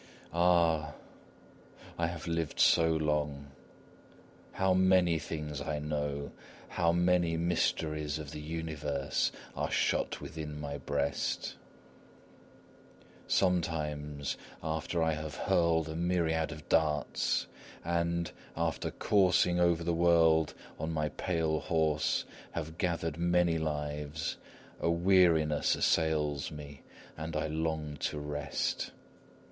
Ah! I have lived so long! How many things I know! How many mysteries of the universe are shut within my breast! Sometimes, after I have hurled a myriad of darts, and, after coursing o'er the world on my pale horse, have gathered many lives, a weariness assails me, and I long to rest.